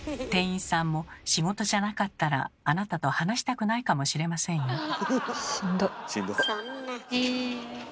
店員さんも仕事じゃなかったらあなたと話したくないかもしれませんよ。